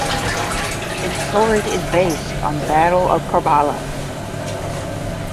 Its story is based on the Battle of Karbala.